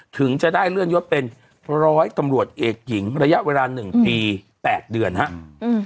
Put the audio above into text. ถึงจะได้เลื่อนยศเป็นร้อยตำรวจเอกหญิงระยะเวลา๑ปี๘เดือนครับ